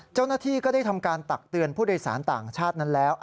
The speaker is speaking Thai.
เจ้าหน้าที่ก็ได้ทำการตักเตือนผู้โดยสารต่างชาตินั้นแล้ว